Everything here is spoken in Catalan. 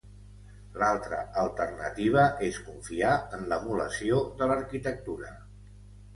L'altra alternativa és confiar en l'emulació de l'arquitectura.